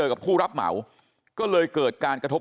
ทำให้สัมภาษณ์อะไรต่างนานไปออกรายการเยอะแยะไปหมด